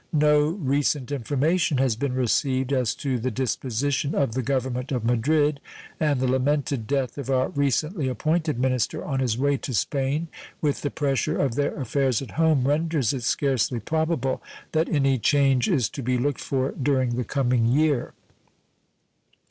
No recent information has been received as to the disposition of the Government of Madrid, and the lamented death of our recently appointed minister on his way to Spain, with the pressure of their affairs at home, renders it scarcely probable that any change is to be looked for during the coming year.